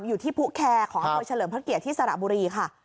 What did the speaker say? อยู่ที่ผู้แคร์ของอำเภอเฉลิมพระเกียรติที่สระบุรีค่ะ